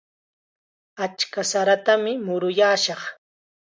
Achka saratam muruyaashaq.